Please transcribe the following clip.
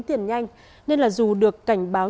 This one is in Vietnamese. tiền nhanh nên là dù được cảnh báo